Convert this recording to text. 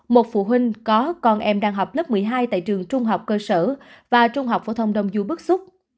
một phụ huynh có con em đang học lớp một mươi hai tại trường trung học cơ sở và trung học phổ thông đông du bức xúc